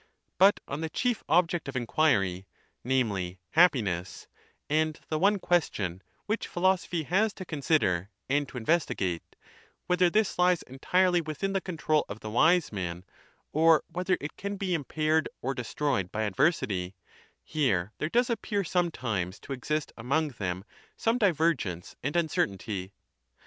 But on the chief object of inquiry, namely Happiness, and the one question which philosophy has to consider and to investigate, whether this lies entirely within the control of the Wise Man, or whether it can be imjiaired or destroyed by adversity, here there does appear sometimes to exist among them some divergence and uncertainty.